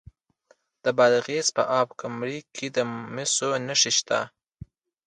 د بادغیس په اب کمري کې د مسو نښې شته.